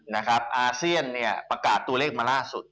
อาเซียนเนี่ยประกาศตัวเลขมาล่าสุด